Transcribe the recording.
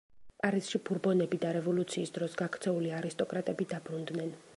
პარიზში ბურბონები და რევოლუციის დროს გაქცეული არისტოკრატები დაბრუნდნენ.